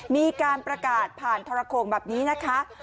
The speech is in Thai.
มีการประกาศผ่านทรโคงแบบนี้นะคะ